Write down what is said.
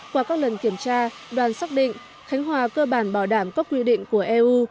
qua các lần kiểm tra đoàn xác định khánh hòa cơ bản bảo đảm các quy định của eu